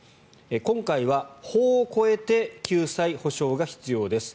今回は法を超えて救済・補償が必要です